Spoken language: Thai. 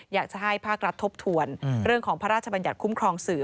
อยากจะให้ภาครัฐทบทวนเรื่องของพระราชบัญญัติคุ้มครองสื่อ